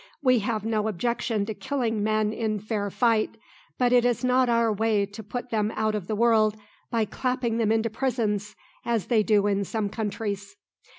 We have no objection to killing men in fair fight; but it is not our way to put them out of the world by clapping them into prisons, as they do in some countries."